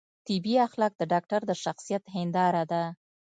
طبي اخلاق د ډاکتر د شخصیت هنداره ده.